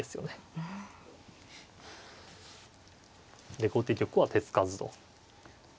で後手玉は手付かずと。